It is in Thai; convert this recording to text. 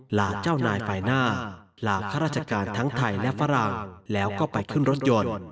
ลาเจ้านายฝ่ายหน้าลาข้าราชการทั้งไทยและฝรั่งแล้วก็ไปขึ้นรถยนต์